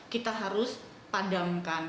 kita harus padamkan